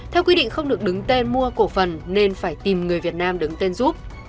theo quy định không được đứng tên mua cổ phần nên phải tìm người việt nam đứng tên dùm bị cáo